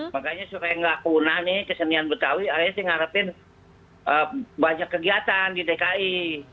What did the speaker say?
makanya supaya nggak punah nih kesenian betawi akhirnya sih ngarepin banyak kegiatan di dki